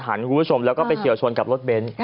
คุณผู้ชมแล้วก็ไปเฉียวชนกับรถเบนท์